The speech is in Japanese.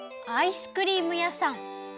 アイスクリーム屋さん。